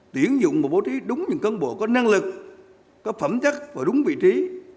tiến dụng một bố trí đúng những cân bộ có năng lực có phẩm chắc và đúng vị trí